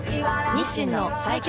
日清の最強